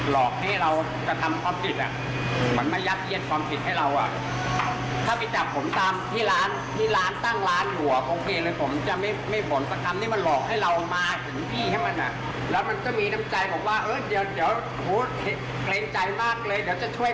แล้วมันก็มีน้ำใจบอกว่าเกรงใจมากเลยเดี๋ยวจะช่วยค่าน้ำมัน๒๐๐บาท